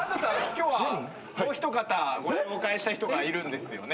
今日はもうひとかたご紹介したい人がいるんですよね？